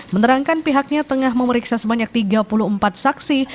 menerangkan pihaknya tengah memeriksa sebanyak tiga puluh empat saksi